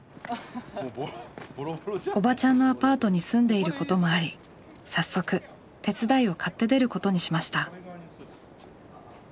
おばちゃんのアパートに住んでいることもあり早速手伝いを買って出ることにしました。